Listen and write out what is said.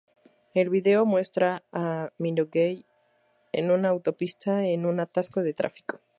El video muestra a Minogue en una autopista en un atasco de tráfico.